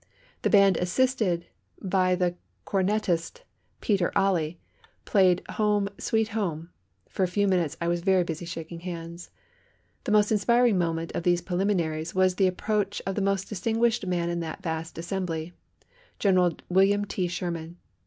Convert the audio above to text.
The band, assisted by the cornetist, Peter Ali, played "Home, Sweet Home." For a few minutes I was very busy shaking hands. The most inspiring moment of these preliminaries was the approach of the most distinguished man in that vast assembly, General William T. Sherman.